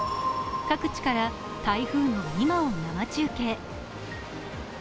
各地から台風の今を生中継。